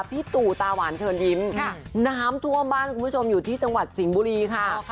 พี่ตู่ตาหวานเชิญยิ้มน้ำท่วมบ้านคุณผู้ชมอยู่ที่จังหวัดสิงห์บุรีค่ะ